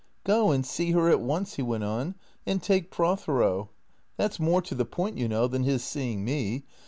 " Go and see her at once," he went on, " and take Pro thero. That 's more to the point, you know, than his seeing me.